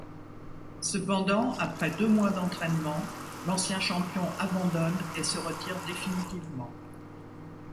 Cependant, après deux mois d'entraînement, l'ancien champion abandonne et se retire définitivement.